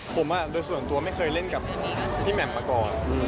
ผมโดยส่วนตัวไม่เคยเล่นกับพี่แหม่มมาก่อน